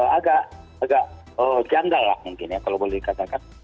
agak janggal lah mungkin ya kalau boleh dikatakan